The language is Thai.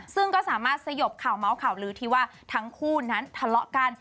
ซึ่งก็สามารถสยบข่าวเมาส์ข่าวลือที่ว่าทั้งคู่นั้นทะเลาะกัน